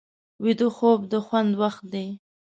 ویده خوب د خوند وخت دی